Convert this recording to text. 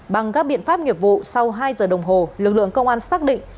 bằng các biện pháp nghiệp vụ sau hai giờ đồng hồ lực lượng công an xác định